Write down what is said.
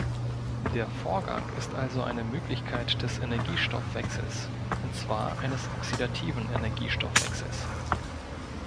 Der Vorgang ist also eine Möglichkeit des Energiestoffwechsels, und zwar eines oxidativen Energiestoffwechsels.